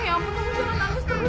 kalau kamu nangis terus nanti mama apa